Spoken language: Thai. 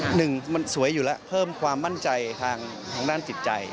หนึ่งมันสวยอยู่แล้วเพิ่มความมั่นใจทางด้านจิตใจ